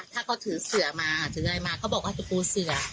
ถ้าเขาถือเสือมาถืออะไรมาเขาบอกว่าจะปูเสือ